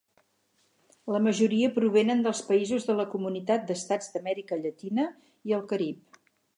La majoria provenen dels països de la Comunitat d'Estats d'Amèrica Llatina i el Carib.